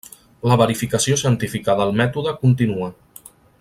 La verificació científica del Mètode continua.